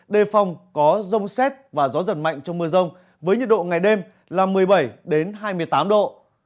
đề phòng có rông xét và gió giật mạnh trong mưa rông với nhiệt độ ngày đêm là một mươi bảy hai mươi tám độ